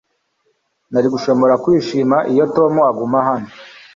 Nari gushobora kwishima iyo Tom agumaho